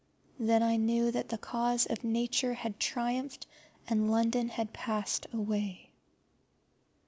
Then I knew that the cause of Nature had triumphed, and London had passed away.